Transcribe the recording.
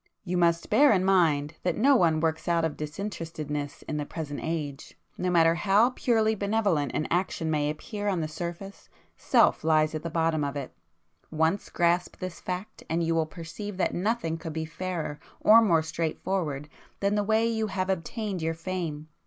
You must bear in mind that no one works out of disinterestedness in the present age,—no matter how purely benevolent an action may appear on the surface, Self lies [p 186] at the bottom of it. Once grasp this fact, and you will perceive that nothing could be fairer or more straightforward than the way you have obtained your fame.